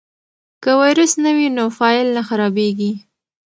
که ویروس نه وي نو فایل نه خرابېږي.